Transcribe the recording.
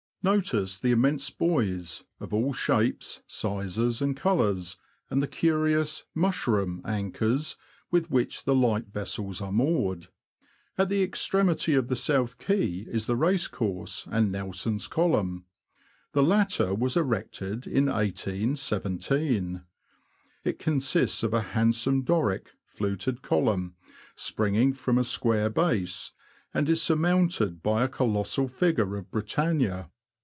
Notice the immense buoys, of all shapes, sizes, and colours, and the curious '' mushroom " anchors, with which the light vessels are moored. At the extremity of the South Quay is the racecourse and Nelson's Column ; the latter was erected in 1817. It consists of a hand some Doric, fluted column, springing from a square base, and is surmounted by a colossal figure of Britannia.